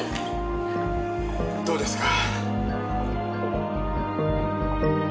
どうですか？